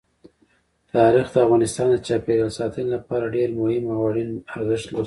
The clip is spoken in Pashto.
تاریخ د افغانستان د چاپیریال ساتنې لپاره ډېر مهم او اړین ارزښت لري.